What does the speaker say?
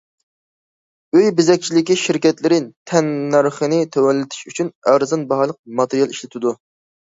ئۆي بېزەكچىلىكى شىركەتلىرى تەننەرخنى تۆۋەنلىتىش ئۈچۈن ئەرزان باھالىق ماتېرىيال ئىشلىتىدۇ.